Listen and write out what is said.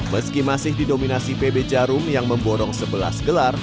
meski masih didominasi pb jarum yang memborong sebelas gelar